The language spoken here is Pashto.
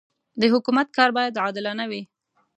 د حکومت کار باید عادلانه وي.